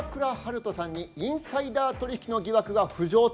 人さんにインサイダー取引の疑惑が浮上と。